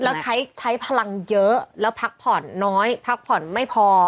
แล้วใช้พลังเยอะแล้วพักผ่อนน้อยพักผ่อนไม่พอ